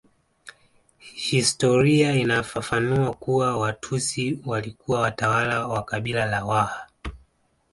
Historia inafafanua kuwa Watusi walikuwa watawala wa kabila la Waha